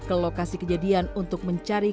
ke lokasi kejadian untuk mencari